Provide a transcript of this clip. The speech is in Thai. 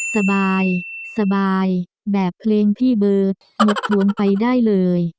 สบายสบายแบบเพลงพี่เบิร์ตลดทวงไปได้เลย